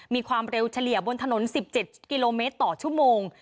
มีความเร็วเฉลี่ยบนถนน๑๗กิโลเมตรต่อชั่วโมง